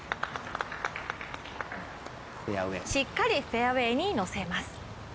しっかりフェアウエーにのせます。